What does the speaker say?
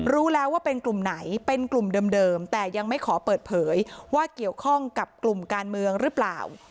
รู้แล้วว่าเป็นกลุ่มไหนเป็นกลุ่มเดิมแต่ยังไม่ขอเปิดเผยว่าเกี่ยวข้องกับกลุ่มการเมืองหรือเปล่า